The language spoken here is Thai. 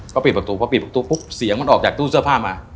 ก็ปิดประตูเสียงมันออกจากตู้เสื้อผ้ามา